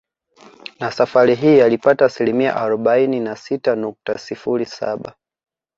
Na safari hii alipata asilimia arobaini na sita nukta sifuri saba